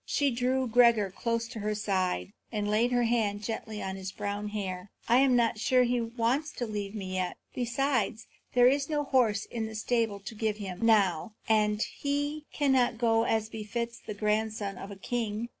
She drew Gregor close to her side, and laid her hand gently on his brown hair. "I am not sure that he wants to leave me yet. Besides, there is no horse in the stable to give him, now, and he cannot go as befits the grandson of a king."